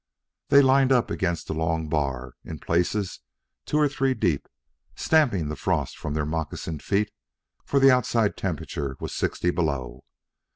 They lined up against the long bar, in places two or three deep, stamping the frost from their moccasined feet, for outside the temperature was sixty below.